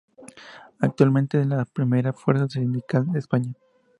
Actualmente es la primera fuerza sindical de España..